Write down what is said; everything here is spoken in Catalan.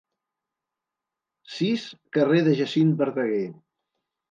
Sis Carrer de Jacint Verdaguer.